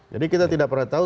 jadi kita tidak pernah tahu